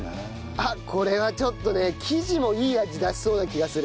あっこれはちょっとね生地もいい味出しそうな気がする。